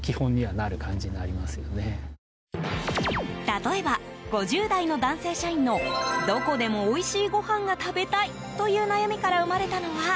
例えば、５０代の男性社員のどこでもおいしいご飯が食べたいという悩みから生まれたのが。